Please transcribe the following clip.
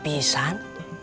rejeki budak soleh